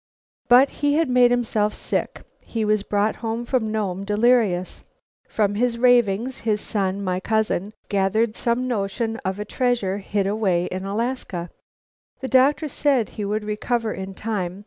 But he had made himself sick. He was brought home from Nome delirious. From his ravings his son, my cousin, gathered some notion of a treasure hid away in Alaska. The doctor said he would recover in time.